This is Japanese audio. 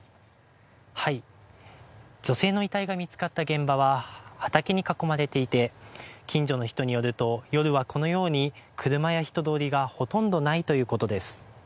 女性の遺体が見つかった現場は畑に囲まれていて近所の人によると、夜はこのように車や人通りがほとんどないということです。